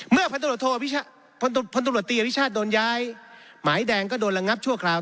เมื่อพันธุรกิจภาพิชาติโดนย้ายหมายแดงก็โดนลงงับชั่วคราว